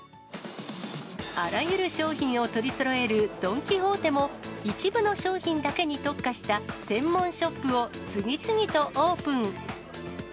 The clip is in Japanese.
あらゆる商品を取りそろえるドン・キホーテも、一部の商品だけに特化した専門ショップを次々とオープン。